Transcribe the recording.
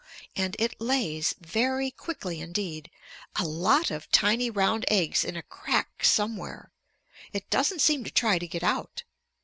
And it lays, very quickly indeed, a lot of tiny round eggs in a crack somewhere. It doesn't seem to try to get out.